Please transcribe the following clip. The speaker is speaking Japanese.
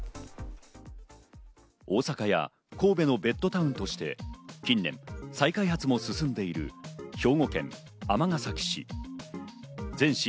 大阪や神戸のベッドタウンとして近年、再開発も進んでいる兵庫県尼崎市。